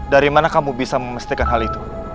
dari mana kamu bisa memastikan hal itu